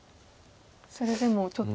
それでもちょっと。